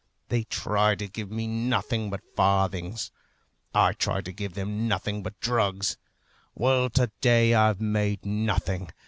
They try to give me nothing but farthings. I try to give them nothing but drugs. Well, to day I've made nothing.